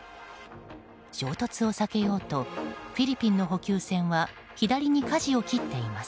衝突を避けようとフィリピンの補給船は左にかじを切っています。